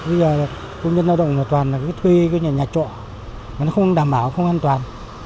bây giờ công nhân lao động toàn là thuê nhà trộm nó không đảm bảo không an toàn